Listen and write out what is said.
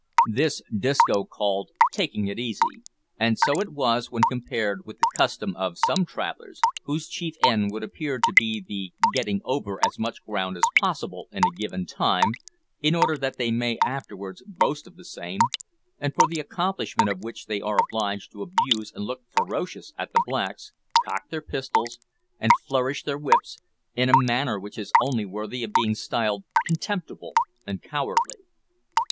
This Disco called "taking it easy," and so it was when compared with the custom of some travellers, whose chief end would appear to be the getting over as much ground as possible in a given time, in order that they may afterwards boast of the same, and for the accomplishment of which they are obliged to abuse and look ferocious at the blacks, cock their pistols, and flourish their whips, in a manner which is only worthy of being styled contemptible and cowardly.